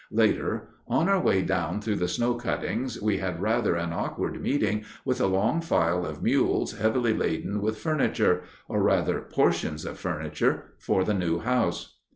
Later, "On our way down through the snow cuttings, we had rather an awkward meeting with a long file of mules heavily laden with furniture—or rather, portions of furniture—for the new house."